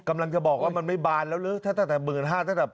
กำลังจะบอกว่ามันไม่บานแล้วหรือถ้าตั้งแต่๑๕๐๐ตั้งแต่